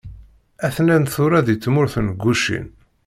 a-ten-an tura di tmurt n Gucin.